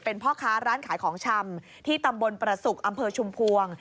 เป็นพ่อค้าร้านขายของชำที่ตำบลประสุกอำเภอชุมพวง